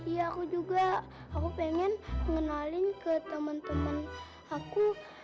iya aku juga aku pengen ngenalin ke temen temen aku